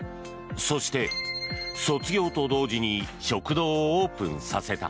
そして卒業と同時に食堂をオープンさせた。